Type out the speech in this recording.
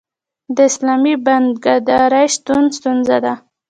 د اسلامي بانکدارۍ نشتون ستونزه ده.